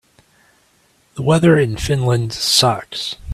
The weather in Finland sucks.